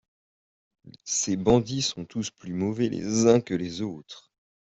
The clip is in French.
Ces bandits sont tous plus mauvais les uns que les autres.